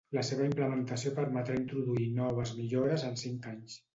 La seva implementació permetrà introduir noves millores en cinc anys.